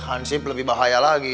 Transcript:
hansip lebih bahaya lagi